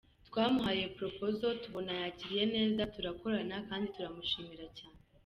Twamuhaye proposal tubona ayakiriye neza, turakorana kandi turamushimira cyane.